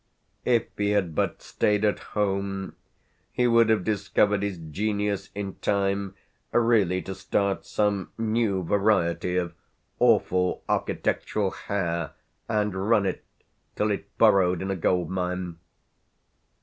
If he had but stayed at home he would have discovered his genius in time really to start some new variety of awful architectural hare and run it till it burrowed in a gold mine.